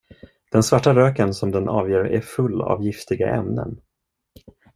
Den svarta röken som den avger är full av giftiga ämnen.